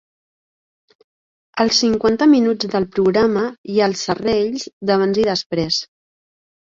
Els cinquanta minuts del programa i els serrells d'abans i després.